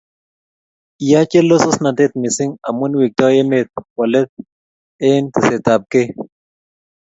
Ya chelososnatet mising amu iwektoi emet kwo let eg tesetaet ab kei